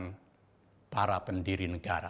dari segi kepentingan bangsa dan negara